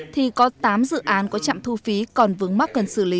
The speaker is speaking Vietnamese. thì có tám dự án có chạm thu phí còn vướng mắt cần xử lý